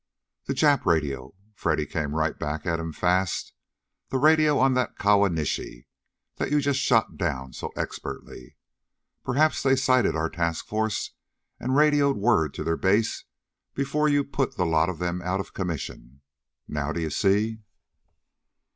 "The Jap radio!" Freddy came right back at him fast. "The radio on that Kawanishi that you just shot down so expertly. Perhaps they sighted our task force and radioed word to their base before you put the lot of them out of commission. Now do you see?"